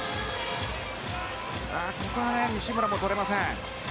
ここは、西村もとれません。